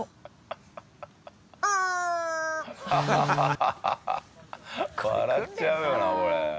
ハハハハハ笑っちゃうよなこれ。